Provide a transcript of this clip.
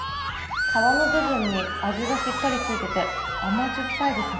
皮の部分に味がしっかりついていて、甘じょっぱいですね。